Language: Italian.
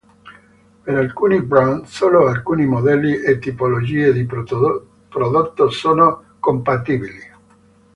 Per alcuni brand solo alcuni modelli e tipologie di prodotto sono compatibili.